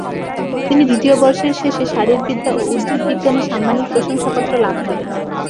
তিনি দ্বিতীয় বর্ষের শেষে শারীরবিদ্যা ও উদ্ভিদবিজ্ঞানে সাম্মানিক প্রশংসাপত্র লাভ করেন।